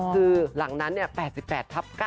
คือหลังนั้น๘๘ทับ๙